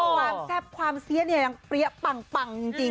ความแซ่บความเสียเนี่ยยังเปรี้ยปังจริง